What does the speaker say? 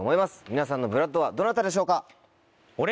皆さんのＢＬＯＯＤはどなたでしょうか？